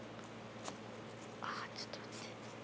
あっちょっと待って。